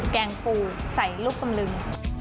แกงปูใส่ลูกตำลึง